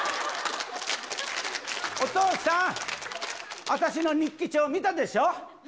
お父さん、私の日記帳見たでしょ？